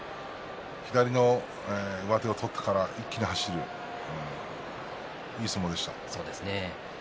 左の上手を取ったから一気に走る相撲でした。